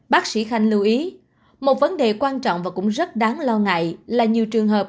bác sĩ khanh lưu ý một vấn đề quan trọng và cũng rất đáng lo ngại là nhiều trường hợp